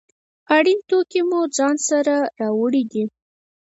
اړین توکي مو ځان سره راوړي وي.